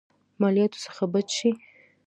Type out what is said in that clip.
مالياتو څخه بچ شي.